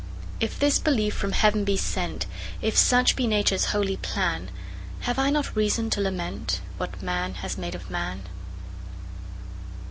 If this belief from heaven be sent, If such be Nature's holy plan, Have I not reason to lament What man has made of man?